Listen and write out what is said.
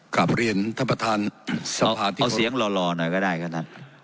กลับเรียนท่านประธานสภาที่เอาเสียงหล่อหน่อยก็ได้ครับท่าน